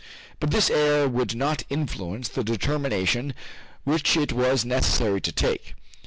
But this error would not influence the determination which it was necessary to take.